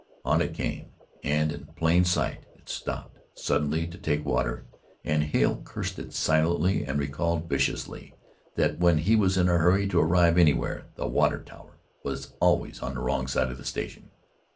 On it came, and in plain sight it stopped suddenly to take water, and Hale cursed it silently and recalled viciously that when he was in a hurry to arrive anywhere, the water tower was always on the wrong side of the station.